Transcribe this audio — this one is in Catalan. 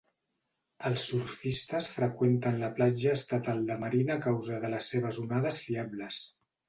Els surfistes freqüenten la platja Estatal de Marina a causa de les seves onades fiables.